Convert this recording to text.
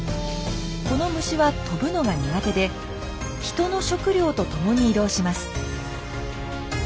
この虫は飛ぶのが苦手で人の食料とともに移動します。